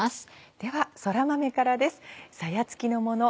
ではそら豆からです。